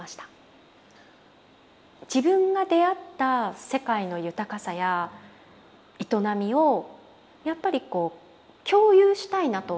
自分が出会った世界の豊かさや営みをやっぱり共有したいなと思ったんですね。